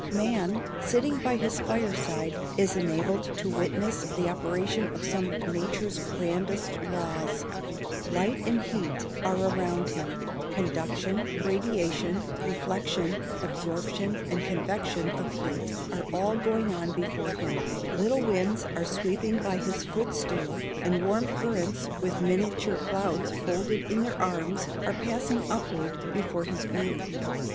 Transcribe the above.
Man, sitting by his fire side, is enabled to witness the operation of some of nature's grandest laws: light and heat are around him; conduction, radiation, reflection, absorption, and convection of heat are all going on before him; little winds are sweeping by his footstool, and warm currents, with miniature clouds folded in their arms, are passing upward before his view.